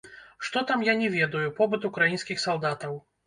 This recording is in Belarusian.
Што там, я не ведаю, побыт украінскіх салдатаў.